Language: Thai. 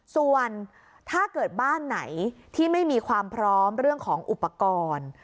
ส่วนถ้าเกิดบ้านไหนที่ไม่มีความพร้อมเรื่องของอุปกรณ์